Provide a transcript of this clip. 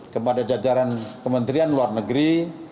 kepada jajaran kementerian luar negeri